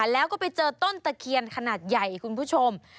แล้วก็ไปเจอต้นตะเคียนขนาดใหญ่คุณผู้ชม